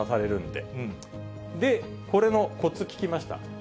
で、これのコツ聞きました。